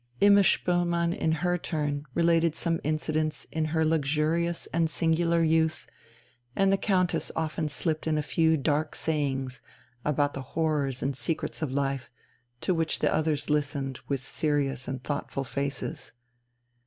Imma Spoelmann in her turn related some incidents in her luxurious and singular youth, and the Countess often slipped in a few dark sayings about the horrors and secrets of life, to which the others listened with serious and thoughtful faces.